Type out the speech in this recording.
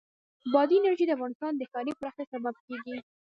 بادي انرژي د افغانستان د ښاري پراختیا سبب کېږي.